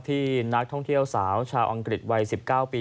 ที่นักท่องเที่ยวสาวชาวอังกฤษวัย๑๙ปี